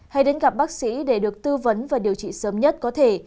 hãy đến gặp bác sĩ để được tư vấn và điều trị sớm nhất có thể